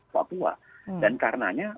papua dan karenanya